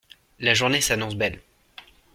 La journée s’annonce belle.